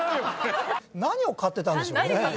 何を買ってたんでしょうね？